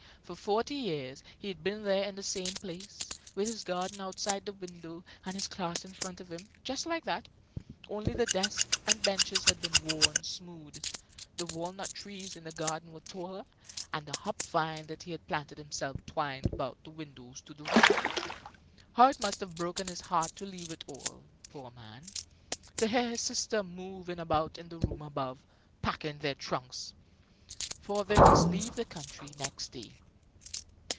For forty years he had been there in the same place, with his garden outside the window and his class in front of him, just like that. Only the desks and benches had been worn smooth; the walnut trees in the garden were taller, and the hop vine, that he had planted himself twined about the windows to the roof. How it must have broken his heart to leave it all, poor man; to hear his sister moving about in the room above, packing their trunks! For they must leave the country next day.